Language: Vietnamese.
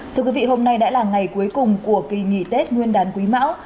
thưa quý vị hôm nay đã là ngày cuối cùng của kỳ nghỉ tết nguyên đán quý mão